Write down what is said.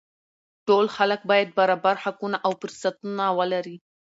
ټول خلک باید برابر حقونه او فرصتونه ولري